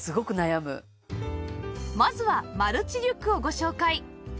まずはマルチリュックをご紹介